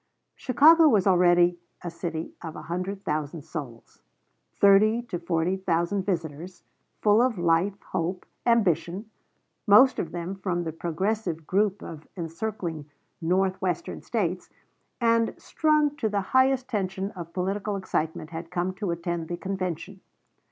Chicago was already a city of a hundred thousand souls. Thirty to forty thousand visitors, full of life, hope, ambition, most of them from the progressive group of encircling North western States, and strung to the highest tension of political excitement had come to attend the convention.